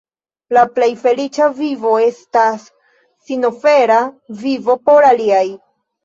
La plej feliĉa vivo estas sinofera vivo por aliaj.